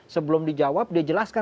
sebelum dijawab dia jawab tidak